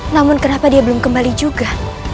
namun kenapa dia belum kembali juga